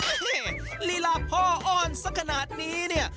โอเฮ่รีล่าพ่ออ้อนสำขนาดนี้เนี่ย